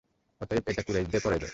অতএব এটা কুরাইশদেরই পরাজয়।